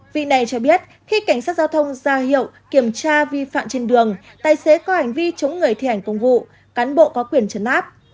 vị này cho biết khi cảnh sát giao thông ra hiệu kiểm tra vi phạm trên đường tài xế có hành vi chống người thi hành công vụ cán bộ có quyền trấn áp